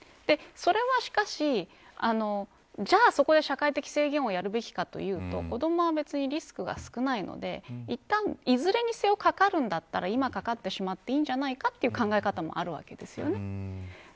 それは、しかしじゃあ、そこで社会的制限をやるべきかというと子どもは別にリスクが少ないのでいったん、いずれにせよかかるんだったら今かかってしまっていいんじゃないかという考え方もあるわけです。